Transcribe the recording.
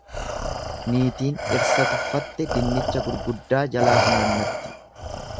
Niitiin dhirsa tuffatte dinnicha gurguddaa jalaa funaannatti.